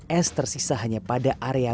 es tersisa hanya pada area